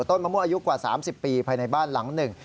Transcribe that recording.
มะม่วงอายุกว่า๓๐ปีภายในบ้านหลังหนึ่ง